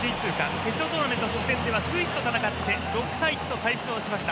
決勝トーナメント初戦ではスイスと戦って６対１と大勝しました。